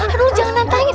aduh lo jangan nantain